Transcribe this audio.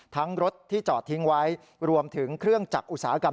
รถที่จอดทิ้งไว้รวมถึงเครื่องจักรอุตสาหกรรม